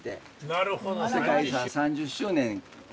なるほど。